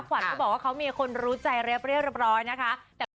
ขวัญก็บอกว่าเขามีคนรู้ใจเรียบเรียบร้อยนะคะ